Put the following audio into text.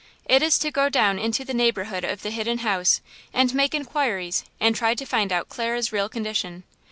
It is to go down into the neighborhood of the Hidden House and make inquiries and try to find out Clara's real condition.